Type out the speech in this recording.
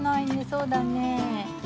そうだねえ。